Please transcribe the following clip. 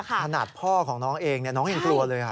ขนาดพ่อของน้องเองน้องยังกลัวเลย